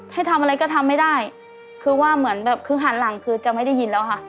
ให้ทำอะไรก็ทำไม่ได้คือว่าเหมือนแบบคือหันหลังคือจะไม่ได้ยินแล้วค่ะ